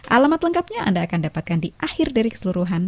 alamat lengkapnya anda akan dapatkan di akhir dari keseluruhan